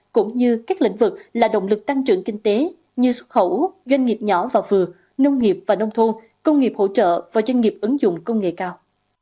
cũng như các lĩnh vực là động lực tăng trưởng kinh tế như xuất khẩu doanh nghiệp nhỏ và vừa nông nghiệp và nông thôn công nghiệp hỗ trợ và doanh nghiệp ứng dụng công nghệ cao